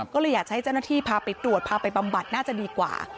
ก็เลยอยากจะให้เจ้าหน้าที่พาไปตรวจพาไปบำบัดน่าจะดีกว่า